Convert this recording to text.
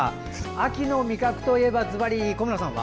秋の味覚といえばずばり小村さんは？